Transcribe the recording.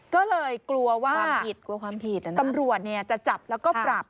ก็เลยกลัวว่าตำรวจจะจับแล้วก็ปรับ